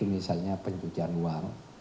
misalnya pencucian uang